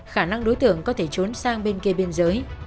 khả năng đối tượng có thể trốn sang bên kia biên giới